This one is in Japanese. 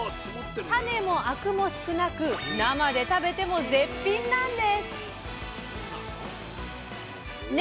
種もアクも少なく生で食べても絶品なんです！ね？